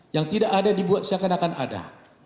yang tidak ada dibuat seakan akan ada